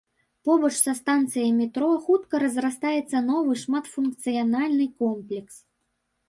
Побач са станцыяй метро хутка разрастаецца новы шматфункцыянальны комплекс.